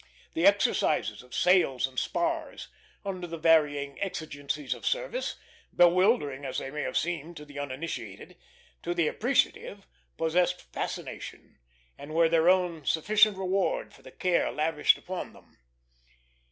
The exercises of sails and spars, under the varying exigencies of service, bewildering as they may have seemed to the uninitiated, to the appreciative possessed fascination, and were their own sufficient reward for the care lavished upon them.